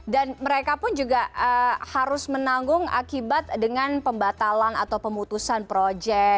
dan mereka pun juga harus menanggung akibat dengan pembatalan atau pemutusan projek